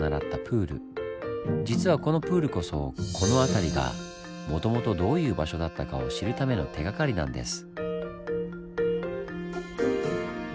実はこのプールこそこの辺りがもともとどういう場所だったかを知るための手がかりなんです。